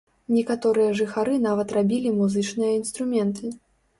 Некаторыя жыхары нават рабілі музычныя інструменты.